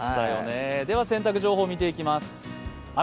洗濯情報を見ていきます。